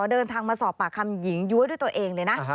เดินทางมาสอบปากคำหญิงย้วยด้วยตัวเองเลยนะ